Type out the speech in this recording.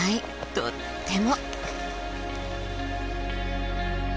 とっても。